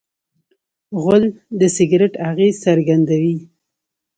غول د سګرټ اغېز څرګندوي.